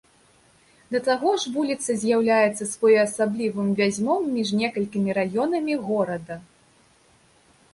Да таго ж вуліца з'яўляецца своеасаблівым вязьмом між некалькімі раёнамі горада.